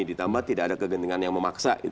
ditambah tidak ada kegentingan yang memaksa